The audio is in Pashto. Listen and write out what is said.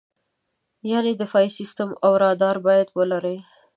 یعنې دفاعي سیستم او رادار باید ولرې.